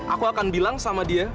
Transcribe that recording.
aku akan bilang sama dia